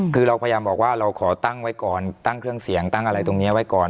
คือเราพยายามบอกว่าเราขอตั้งไว้ก่อนตั้งเครื่องเสียงตั้งอะไรตรงนี้ไว้ก่อน